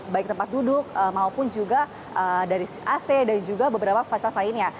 baik tempat duduk maupun juga dari ac dan juga beberapa fasilitas lainnya